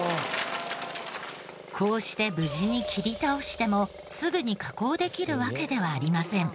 こうして無事に切り倒してもすぐに加工できるわけではありません。